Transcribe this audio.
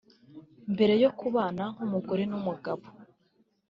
Mbere yo kubana nk’umugore n’umugabo